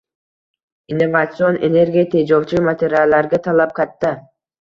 Innovatsion energiya tejovchi materiallarga talab katta